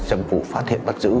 chăm phủ phát hiện bắt giữ